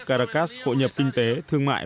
caracas hội nhập kinh tế thương mại